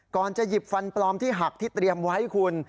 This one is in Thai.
ก่อนจะหยิบฟันปลอมที่หักที่เตรียมไว้คุณ